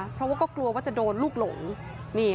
เพราะว่าก็กลัวว่าจะโดนลูกหลง